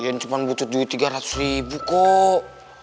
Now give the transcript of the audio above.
yang cuma butuh duit tiga ratus ribu kok